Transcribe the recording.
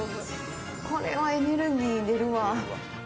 これはエネルギー出るわ。